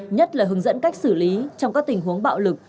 nhất là hướng dẫn cách xử lý trong các tình huống bạo lực